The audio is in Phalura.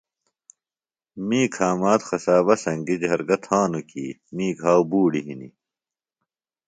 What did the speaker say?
می کھامد قصابہ سنگیۡ جرگہ تھانوۡ کیۡ می گھاوۡ بوڈیۡ ہنیۡ